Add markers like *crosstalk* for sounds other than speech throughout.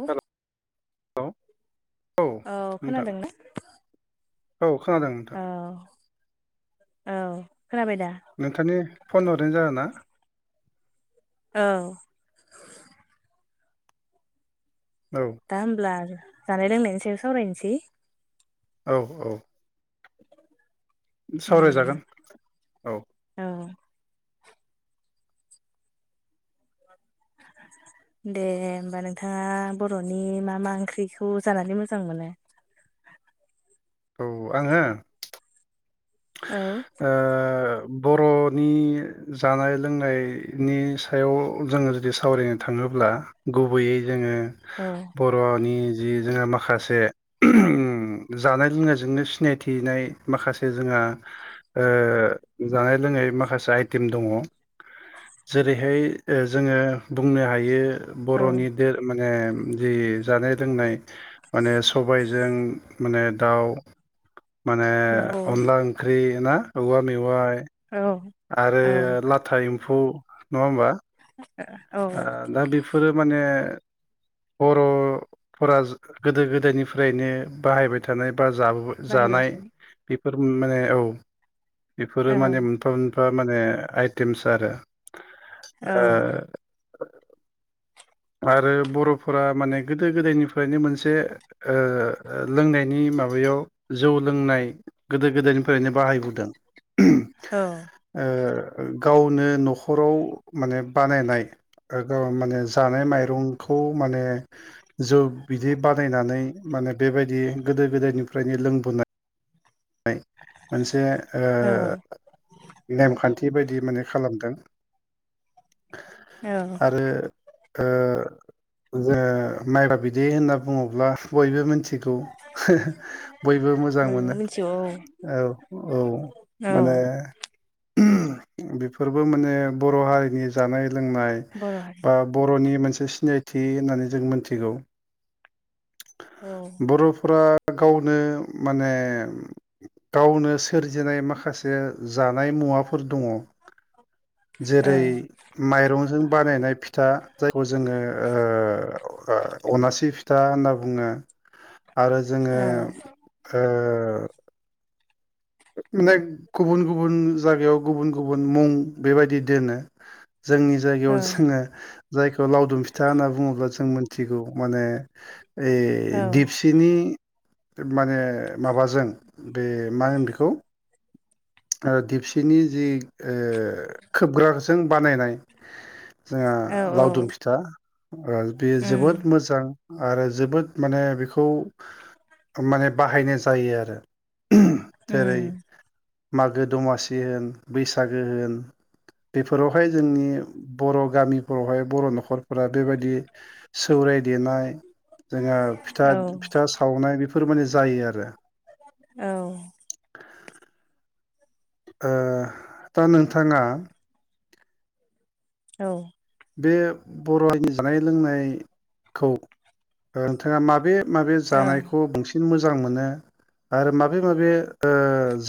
औ औे औ खोनादोंना औ खोनादों नोंथां औ औ खोनाबाय दा नोंथांनि फन हरैनो जाहोना औ औ दा होमब्ला जानाय लोंनायनि सायाव सावरायनोसै औ औ उम सावरायजागोन औ *inaudible* दे होमबा नोंथाङा बर'नि मा मा ओंख्रिखौ जानानै मोजां मोनो *inaudible* औ आङो औ ओ बर'नि जानाय लोंनायनि सायाव जोङो जुदि सावरायनो थाङो अब्ला गुबैयै जोङो औ बर'नि जि जोंहा माखासे जानाय लोंनायजोंनो सिनायथिनाय माखासे जोंहा दा ओ जानाय लोंनाय माखासे आइटेम दङ जेरैहाय जोङो बुंनो हायो औ बर'नि दे माने ओ जि जानाय लोंनाय माने सबायजों माने दाउ *inaudible* माने औ अनला ओंख्रि ना औवा मेवाइ औ आरो औ लाथा एम्फौ नङा होमबा? औ दा बेफोरो माने बर'फोरा गोदो गोदायनिफ्रायनो बाहायबाय थानाय बा बाहायबाय जानाय थानाय बेफोर माने औ बेफोरो औ माने मोनफा मोनफा माने आइटेमस आरो औ ओ आरो बर' बर'फोरा गोदो गोदायनिफ्रायनो मोनसे ओ लोंनायनि माबायाव जौ सोलोंनाय गोदो गोदायनिफ्रायनो बाहायबोदों। औ ओ गावनो न'खराव माने बानायनाय माने जानाय माइरंखौ माने जौ बिदै बानायनानै माने बेबायदि गोदो गोदायनिफ्रायनो लोंबोनाय मोनसे ओ औ नेमखान्थि बायदि माने खालामदों। औ आरो ओ ओ मायब्रा बिदै होनना बुङोब्ला बयबो मिथिगौ बयबो मोजां बयबो मोनो। मिथिगौ औ औ माने औ बेफोरबो माने बर' हारिनि जानाय लोंनाय बर' हारि बा बर'नि मोनसे मोनसे सिनायथि होननानै जों मोनथिगौ औ बर'फोरा गावनो माने गावनो सोरजिनाय माखासे जानाय मुवाफोर दङ। *inaudible* जेरै माइरंजों बानायनाय फिथा जायखौ जोङो ओ अनासि फिथा होनना बुङो। आरो जोङो औ ओ माने गुबुन गुबुन जायगायाव गुबुन गुबुन मुं बेबायदि दोनो। जोंनि औ जायगायाव जोङो जायखौ लावदुम फिथा होनना बुङोब्ला जों मिथिगौ माने ओइ दिपसिनि माने माबाजों बे मा होनो बेखौ ओ दिपसिनि जि खोबग्राजों बानायनाय जोंहा औ लावदुम फिथा ओ बे उम जोबोद मोजां। आरो जोबोद माने बेखौ माने बाहायनाय जायो आरो। जेरै उम मागो दमासि होन बैसागो होन बेफोरावहाय जोंनि बर' गामिफोरावहाय बर' न'खरफोरा बेबायदि सौराय देनाय जोंहा फिथा औ फिथा सावनाय बेफोर माने जायो आरो। औ दा नोंथाङा औ बे बर'नि जानाय लोंनायखौ नोंथाङा माबे माबे औ जानायखौ बांसिन मोजां मोनो? आरो माबे माबे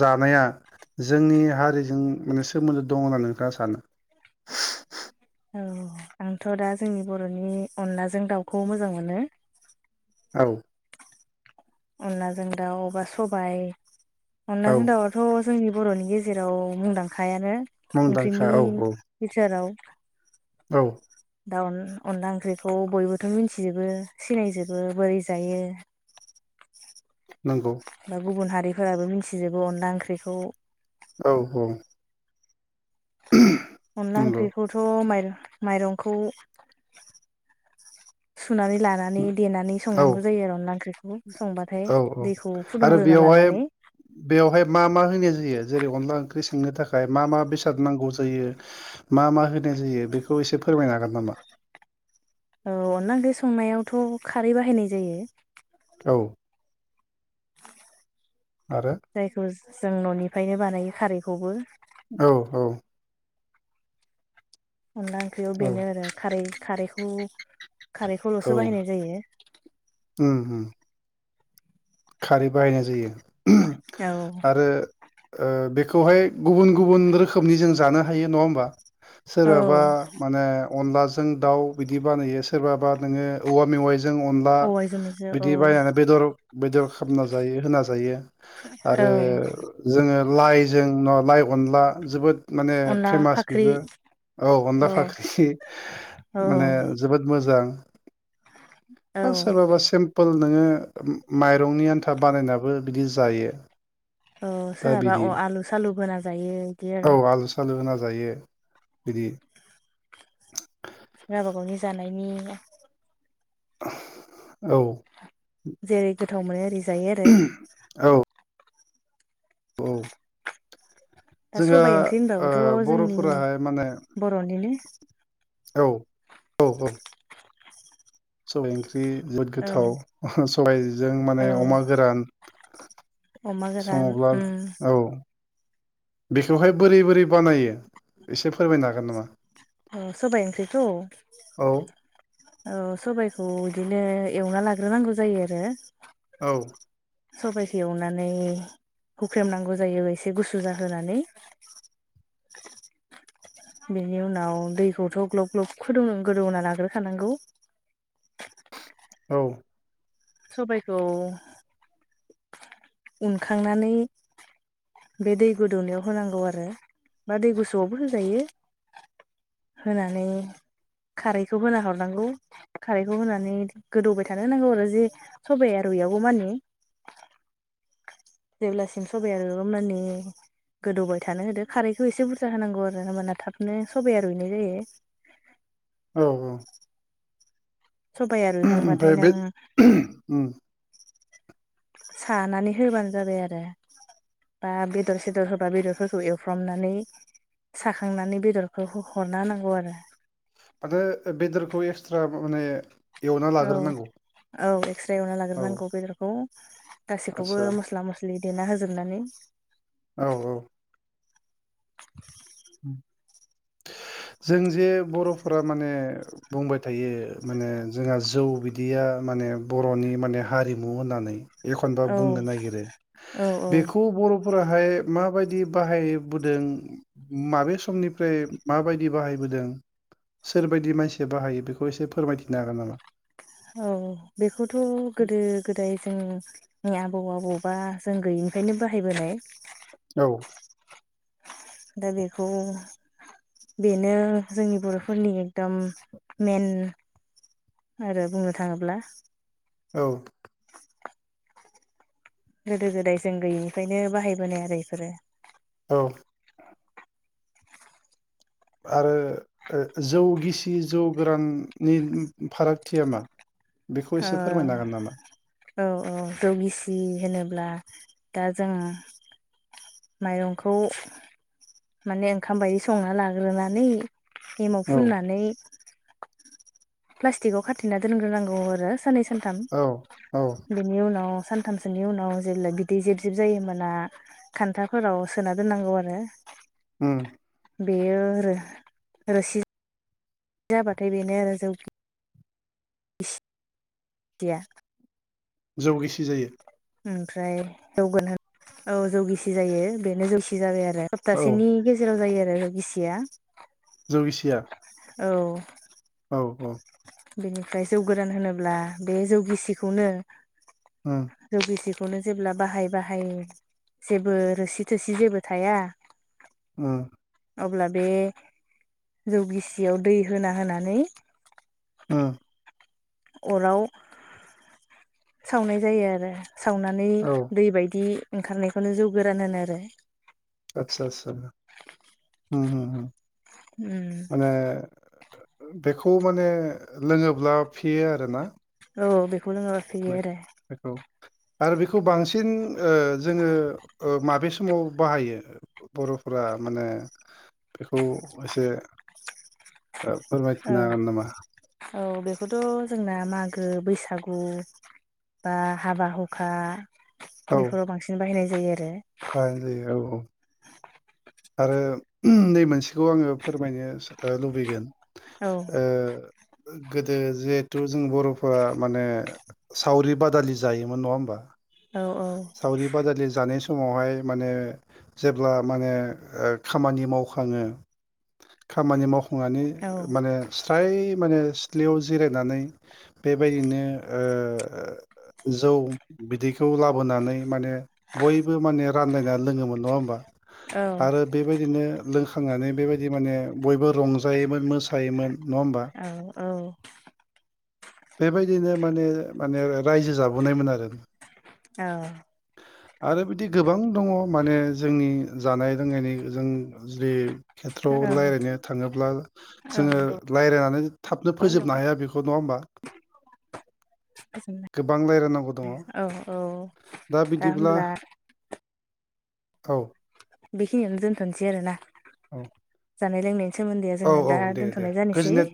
जानाया जोंनि हारिजों माने सोमोन्दो दंङो होननानै नोंथांङा सानो *inaudible* औ आंथ' दा जोंनि बर'नि अनलाजों दाउखौ मोजां मोनो औ अनलाजों दाउबा सबाय औ अनलाजों दाउआथ' जोंनि बर'नि गेजेराव मुंदांखायानो मुंदांखा ओंख्रिनि औ औ भिथोराव औ दाउ अनला ओंख्रिखौ बयबोथ' मिथिजोबो सिनायजोबो बोरै जायो। नंगौ बा गुबुन हारिफोराबो मिथिजोबो अनला ओंख्रिखौ औ औ अनला नंगौ ओंख्रिखौथ' माइर' मायरंखौ सुनानै लानानै देनानै औ संनांगौ जायो आरो अनला ओंख्रि औ औ आरो बेवहाय लानानै बेवहाय मा मा होनाय जायो जेरै अनला ओंख्रि नो थाखाय मा मा बेसाद नांगौ जायो मा हो नाय जायो बेखौ ऐसे फोरमायनो हागोन नामा? औ अनला ओंख्रि संनायावथ' खारै बाहायनाय जायो। औ आरो जायखौ जों न'निफ्रायनो बानायो खारैखौबो औ औ अनला ओंख्रियाव औ बेनो आरो खारै खारैखौ औ खारैखौल'सो बाहायनाय जायो। उम उम खारै बाहायनाय जायो आरो। ओ बेखौहाय गुबुन गुबुन रोखोमनि जों जानो हायो नङा होमबा? औ सोरहाबा माने अनलाजों दाउ बिदि बानायो सोरबाबा नोङो औवा मेवाय जों अनला औवाइजों मेजो औ बिदि बायनानै बेदर बायदियाव खालामना जायो होना जायो औ आरो जोङो लाइजों न लाइ अनला जोबोद माने अनला फेमास फाख्रि बेबो औ अनला फाख्रि औ माने जोबोद मोजां औ सोरबाबा सिमपोल नोङो माइरंनि आन्था बानायनाबो बिलि जायो। औ दा सोरहाबा बिदि अ आलु सालु बो होना जायो बिदि औ आरो आलु सालु होना जायो बिदि गावबागावनि जानायनि औ जेरै गोथाव मोनो ओरै जायो आरो। औ औ दा जोंहा सबाइ ओंख्रि ओ होनबाबोथ' जोंनि बर'फोराहाय माने बर'निनो औ औ औ सबाइ ओंख्रि जोबोद औ गोथाव सबाइजों माने औ अमा गोरान अमा गोरान सङोब्ला उम औ बेखौहाय बोरै बोरै बानायो एसे फोरमायनो हागोन नामा? अ सबाइ ओंख्रिखौ? औ औ सबायखौ इदिनो एवना लाग्रोनांगौ जायो आरो। औ सबाइखौ एवनानै हुख्रेमनांगौ जायो एसे गुसु जाहोनानै बेनि उनाव दैखौथ' ग्लब ग्लब खुदुं गोदौना लाग्रोखानांगौ। औ सबायखौ *inaudible* उनखांनानै बे दै गोदौनायाव होनांगौ आरो बा दै गुसुआवबो होजायो होनानै खारैखौ होना हरनांगौ खारैखौ होनानै गोदौबाय थानो होनांगौ आरो जे सबाइया रुयागौमानि जेब्लासिम सबाइया *unintelligible* गोदौबाय थानो होदो खारैखौ एसे बुरजा होनांगौ आरो होमबाना थाबनो सबाया रुइनाय जायो *inaudible* औ औ सबाया रुइखांबाथाय ओमफ्राय बे नों उम सानानै होबानो जाबाय आरो बा बेदर सेदर होबा बेदरफोरखौ एवफ्रामनानै साखांनानै बेदरखौ हरना होनांगौ आरो माथो बेदरखौ एक्सट्रा माने एवना औ लाग्रोनांगौ औ एकस्रा एवना औ लाग्रोनांगौ बेदरखौ गासैखौबो आदसा मस्ला मस्लि देना होजोबनानै औ औ उ *inaudible* जों जे बर'फोरा माने बुंबाय थायो माने जोंहा जौ बिदैया माने बर'नि माने हारिमु होननानै एखनबा औ बुंनो नागिरो औ औ बेखौ बर' फोराहाय माबायदि बाहायबोदों माबे समनिफ्राय माबायदि बाहायबोदों सोरबायदि मानसिया बाहायो बेखौ एसे फोरमायथिनो हागोन नामा औ बेखौथ' गोदो गोदाय जोंनिया बबावबा बबावबा जों गैयिनिफ्रायनो बाहायबोनाय औ दा बेखौ बेनो जोंनि बर'फोरनि एकदम मेन आरो बुंनो थाङोब्ला औ *inaudible* गोदो गोदाय जों गैयैनिफ्रायनो बाहायबोनाय आरो इफोरो औ आरो जौ गिसि जौ गोराननि फारागथिया मा बेखौ ओ एसे फोरमायनो हागोन नामा औ औ जौ गिसि होनोब्ला दा जों माइरंखौ माने ओंखाम बायदि संना लाग्रोनानै एमाव औ फुननानै प्लास्टिकाव खाथिना दोनग्रोनांगौ आरो साननै सानथाम औ औ बेनि उनाव सानथामसोनि उनाव जेब्ला बिदै जेब जेब जायो होमबाना खान्थाफोराव सोना दोननांगौ आरो उम बेयो रो-रोसि जाबाथाय बेनो आरो जौ *unintelligible* जौ गिसि जायो ओमफ्राय होगोन औ जौ गिसि जायो बेनो जौसि जाबाय आरो औ सप्तासेनि गेजेराव जायो आरो जौ गिसिया जौ गिसिया औ औ औ बेनिफ्राय जौ गोरान होनोब्ला बे जौगिसिखौनो उम जौगिसि खौनो जेब्ला बाहाय बाहाय जेबो रोसि थोसि जेबो थाया। उम अब्ला बे जौ गिसियाव दै होना होनानै उम अराव सावनाय जायो आरो। सावनानै औ दै बायदि ओंखारनायखौनो जौ गोरान होनो आरो। आतसा आतसा ओम उम बेखौ माने लोङोब्ला फेयो आरोना? औ बेखौ लोंहोफैयो आरो बेखौ आरो बेखौ बांसिन बांसिन ओ जोङो माबे समाव बाहायो बर'फोरा माने बेखौ एसे *unintelligible* औ फोरमायथिनो हागोन नामा? औ बेखौथ' जोंना मागो बैसागु बा हाबा हुखा बेफोराव बांसिन बाहायनाय जायो आरो। ओ जायो ओ औ आरो नै मोनसेखौ आङो फोरमायनो लुबैगोन। आरो ओ गोदो जिहेथु जों बर'फोरा माने सावरि बादालि जायोमोन नङा होमबा? औ औ सावरि बादालि जानाय समावहाय माने जेब्ला माने ओ खामानि मावखाङो खामानि मावखांनानै औ माने फ्राय माने सिथलियाव जिरायनानै बेबायदिनो ओ जौ बिदैखौ लाबोनानै माने बयबो माने रानलायना लोङोमोन नङा होमबा? औ आरो बेबायदिनो लोंखांनानै बेबायदि माने बयबो रंजायोमोन मोसायोमोन नङा होमबा? औ औ बेबायदिनो माने माने रायजो जाबोनायमोन आरो। औ आरो बिदि गोबां दङ माने जोंनि जानाय जो जों जुदि खेथ्रयाव औ रायज्लायनो थाङोब्ला औ जोङो रायज्लायनानै थाबनो गोबां दं फोजोबनो हाया बेखौ नङा होमबा? गोबां रायलायनांगौ दङ औ औ दा बिदिब्ला औ बेखिनिययावनो दोनथ'नोसै आरोना? औ जानाय लोंनायनि सोमोनदैया औ जोंना औ दा दे दे दोनथ'नाय जानोसै। गोजोननाय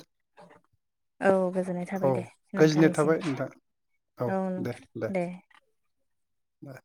औ गोजोननाय थाबाय औ दे गोजोननाय नोंथांनिसिम थाबाय नोंथां औ दे बा *unintelligible*